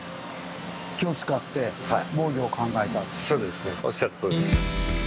そうですねおっしゃるとおりです。